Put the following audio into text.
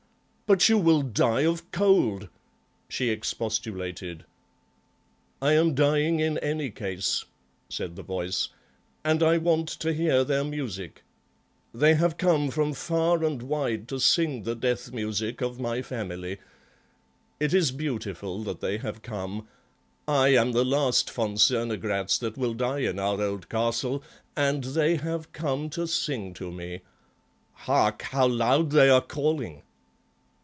"But you will die of cold!" she expostulated. "I am dying in any case," said the voice, "and I want to hear their music. They have come from far and wide to sing the death music of my family. It is beautiful that they have come; I am the last von Cernogratz that will die in our old castle, and they have come to sing to me. Hark, how loud they are calling!"